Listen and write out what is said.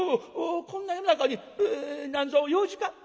こんな夜中に何ぞ用事か？」。